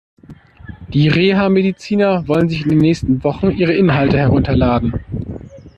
Die Reha-Mediziner wollen sich in den nächsten Wochen ihre Inhalte herunterladen.